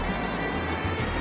jangan makan aku